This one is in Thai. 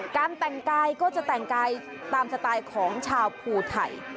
การแต่งกายก็จะแต่งกายตามสไตล์ของชาวภูไทย